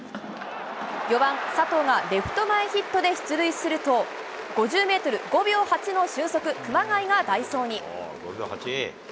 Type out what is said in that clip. ４番・佐藤がレフト前ヒットで出塁すると、５０ｍ５秒８の俊足、熊谷が代走に。